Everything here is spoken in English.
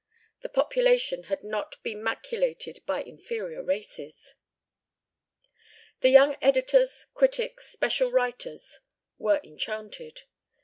The population had not been maculated by inferior races. The young editors, critics, special writers were enchanted.